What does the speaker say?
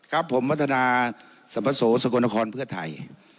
ครับผมวัฒนาสมโศกรณครเพื่อไทย